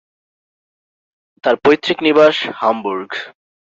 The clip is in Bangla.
তার পৈতৃক নিবাস হামবুর্গ।